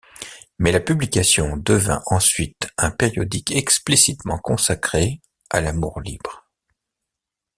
Mais la publication devint ensuite un périodique explicitement consacré à l'amour libre.